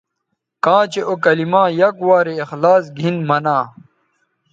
کاں چہء او کلما یک وارے اخلاص گھن منا